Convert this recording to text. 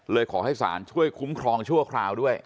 ขอให้ศาลช่วยคุ้มครองชั่วคราวด้วย